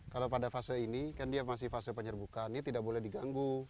kalau pada fase ini kan dia masih fase penyerbukaannya tidak boleh diganggu